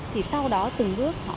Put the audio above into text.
thì sau đó từng bước họ